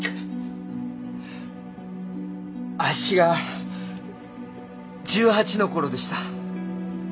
あっしが１８の頃でした。